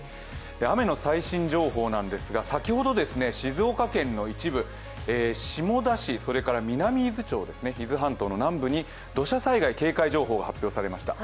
雨の最新情報なんですが、先ほど静岡県の一部、下田市、それから南伊豆町、伊豆諸島の南部に土砂災害警戒情報が発表されました。